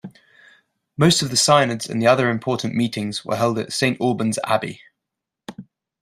Most of the synods and other important meetings were held at Saint Alban's Abbey.